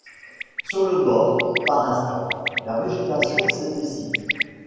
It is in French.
Sur le bord, par instants, la végétation s'épaissit.